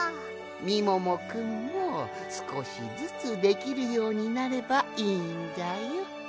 みももくんもすこしずつできるようになればいいんじゃよ。